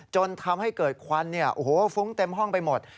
จนทำให้เกิดควันฟุ้งเต็มห้องไปหมด